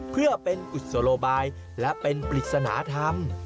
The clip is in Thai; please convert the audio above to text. เพื่อเป็นกุศโลบายและเป็นปริศนธรรม